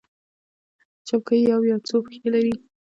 چوکۍ یو یا څو پښې لري.